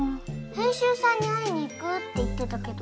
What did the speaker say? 編集さんに会いに行くって言ってたけど。